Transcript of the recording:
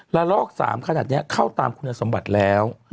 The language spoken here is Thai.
ละลอก๓ขนาดนี้เข้าตามคุณสมบัติแล้ว